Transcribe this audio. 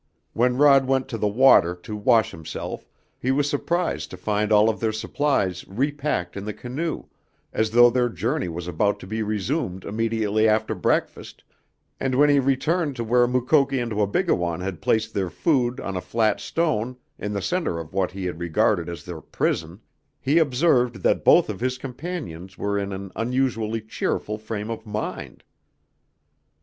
When Rod went to the water to wash himself he was surprised to find all of their supplies repacked in the canoe, as though their journey was about to be resumed immediately after breakfast, and when he returned to where Mukoki and Wabigoon had placed their food on a flat stone in the center of what he had regarded as their prison, he observed that both of his companions were in an unusually cheerful frame of mind.